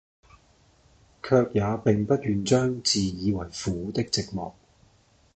卻也並不願將自以爲苦的寂寞，